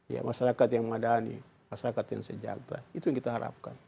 ya masyarakat yang madani masyarakat yang sejahtera itu yang kita harapkan